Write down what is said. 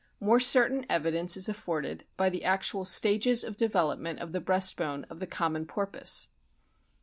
More certain evidence is afforded by the actual stages of development of the breast bone of the common Porpoise.